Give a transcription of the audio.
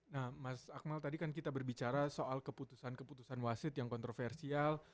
nah mas akmal tadi kan kita berbicara soal keputusan keputusan wasit yang kontroversial